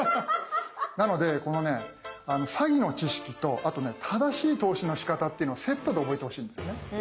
なのでこのね詐欺の知識とあとね正しい投資のしかたっていうのをセットで覚えてほしいんですよね。